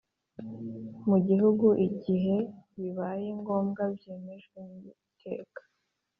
Mu gihugu igihe bibaye ngombwa byemejwe n iteka